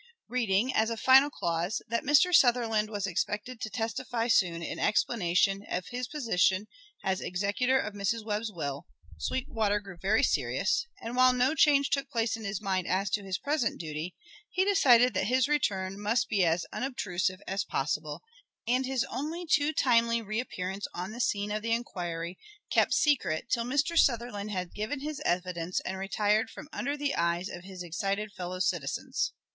Reading, as a final clause, that Mr. Sutherland was expected to testify soon in explanation of his position as executor of Mrs. Webb's will, Sweetwater grew very serious, and, while no change took place in his mind as to his present duty, he decided that his return must be as unobtrusive as possible, and his only too timely reappearance on the scene of the inquiry kept secret till Mr. Sutherland had given his evidence and retired from under the eyes of his excited fellow citizens.